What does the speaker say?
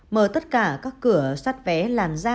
mở tất cả các cửa sát vé làn ra